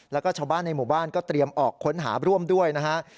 แล้วก็ชาวบ้านในหมู่บ้านก็เตรียมออกค้นหาร่วมด้วยนะฮะ